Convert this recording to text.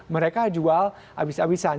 mereka jual abis abisan